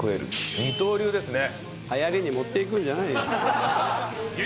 二刀流ですね。